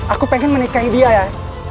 aku pengen menikahi dia ya